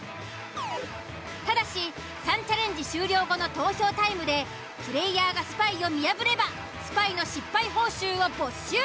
ただし３チャレンジ終了後の投票タイムでプレイヤーがスパイを見破ればスパイの失敗報酬を没収。